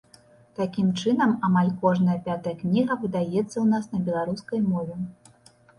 Такім чынам, амаль кожная пятая кніга выдаецца ў нас на беларускай мове.